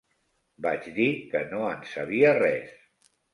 Vaig dir que no en sabia res.